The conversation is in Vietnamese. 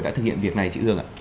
đã thực hiện việc này chị hương ạ